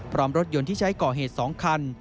รถยนต์ที่ใช้ก่อเหตุ๒คัน